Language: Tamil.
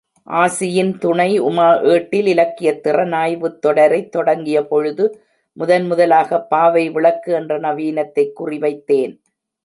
ஆசியின் துணை உமா ஏட்டில், இலக்கியத் திறனாய்வுத் தொடரைத் தொடங்கியபொழுது, முதன்முதலாகப் பாவை விளக்கு என்ற நவீனத்தைக் குறிவைத்தேன்.